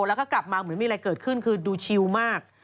แล้วก็กลับมาเหมือนมีอะไรเกิดขึ้นคือดูชิวมาก